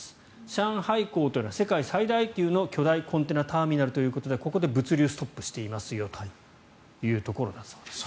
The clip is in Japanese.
上海港というのは世界最大級の巨大コンテナターミナルということでここで物流がストップしていますよということです。